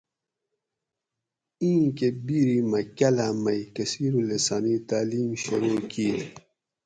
اِیں کۤہ بیری مۤہ کاۤلم مئ کثیرالسانی تعلیم شورو کِیت۔